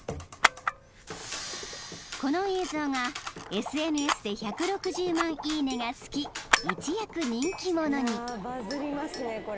［この映像がＳＮＳで１６０万いいねが付き一躍人気者に］